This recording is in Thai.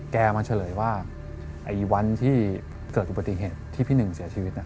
มาเฉลยว่าวันที่เกิดอุบัติเหตุที่พี่หนึ่งเสียชีวิต